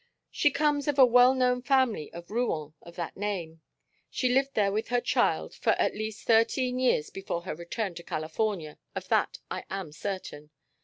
"She comes of a well known family of Rouen of that name. She lived there with her child for at least thirteen years before her return to California. Of that I am certain.